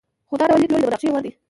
خو دا ډول لیدلوری د مناقشې وړ دی.